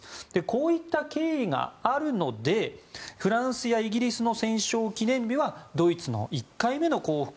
こういった経緯があるのでフランスやイギリスの戦勝記念日はドイツの１回目の降伏